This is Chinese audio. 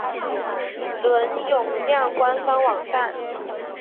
伦永亮官方网站